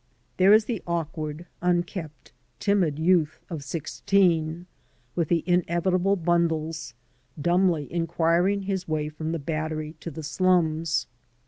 There is the awkward, unkempt, timid youth of sixteen, with the inevitable bundles, dumbly inquir ing his way from the Battery to the slums.